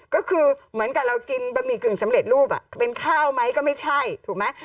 ก็คือเหมือนกับเรากินบะหมี่กึ่งสำเร็จรูปเป็นข้าวไหมก็ไม่ใช่ถูกไหม